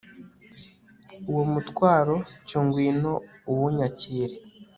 uwo mutwaro cyo ngwino uwunyakire